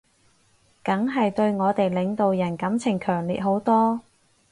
梗係對我哋領導人感情強烈好多